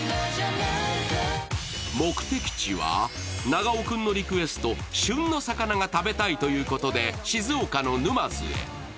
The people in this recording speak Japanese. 目的地は、長尾君のリクエスト、旬の魚が食べたいということで静岡の沼津へ。